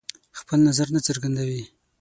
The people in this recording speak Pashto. خپل نظر نه څرګندوي.